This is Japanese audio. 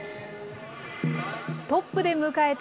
トップで迎えた